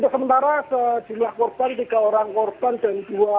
sementara sejumlah korban tiga orang korban dan dua